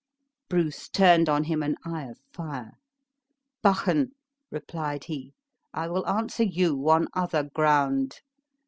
Bruce turned on him an eye of fire. "Buchan," replied he, "I will answer you on other ground.